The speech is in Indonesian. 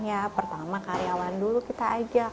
ya pertama karyawan dulu kita ajak